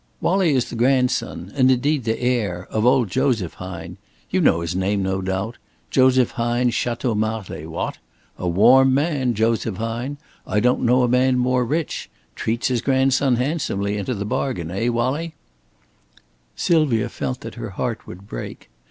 "Wallie is the grandson and indeed the heir of old Joseph Hine. You know his name, no doubt. Joseph Hine's Château Marlay, what? A warm man, Joseph Hine. I don't know a man more rich. Treats his grandson handsomely into the bargain, eh, Wallie?" Sylvia felt that her heart would break.